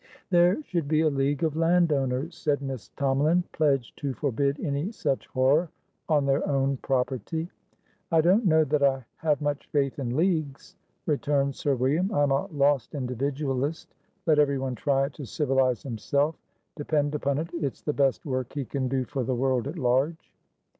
"There should be a league of landowners," said Miss Tomalin, "pledged to forbid any such horror on their own property." "I don't know that I have much faith in leagues," returned Sir William. "I am a lost individualist. Let everyone try to civilise himself; depend upon it, it's the best work he can do for the world at large."